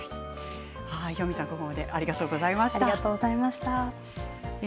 ヒャンミさん、ここまでありがとうございました。